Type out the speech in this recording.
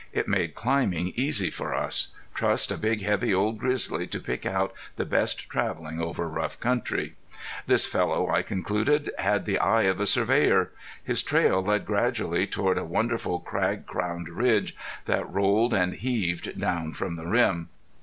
It made climbing easy for us. Trust a big, heavy, old grizzly to pick out the best traveling over rough country! This fellow, I concluded, had the eye of a surveyor. His trail led gradually toward a wonderful crag crowned ridge that rolled and heaved down from the rim.